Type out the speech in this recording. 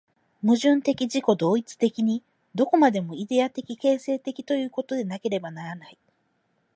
矛盾的自己同一的に、どこまでもイデヤ的形成的ということでなければならない。